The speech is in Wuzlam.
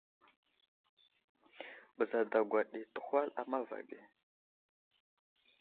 Bəza dagwa ɗi təhwal a mava ge.